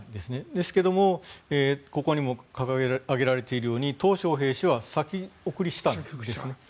ですけどもここにも掲げられているようにトウ・ショウヘイ氏は先送りしたんですね。